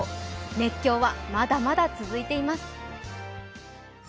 熱狂はまだまだ続いています。